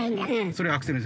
それアクセル。